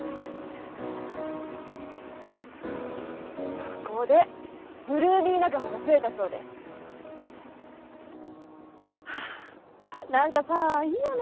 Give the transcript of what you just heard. そこで８ＬＯＯＭＹ仲間が増えたそうですはあ何かさいいよね